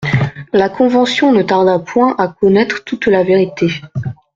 La Convention ne tarda point à connaître toute la vérité.